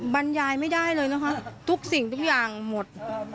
บรรยายไม่ได้เลยนะคะทุกสิ่งทุกอย่างหมด